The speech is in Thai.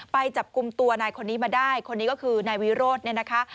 ไปจับกลุ่มตัวนายคนนี้มาได้คนนี้ก็คือนายวิโรธเนี่ยนะคะ